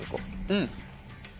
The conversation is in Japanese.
うん。